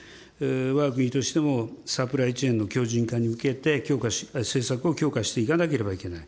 わが国としても、サプライチェーンの強じん化に向けて、強化、政策を強化していかなければいけない。